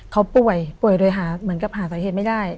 เค้าป่วยป่วยไปแต่ไม่ได้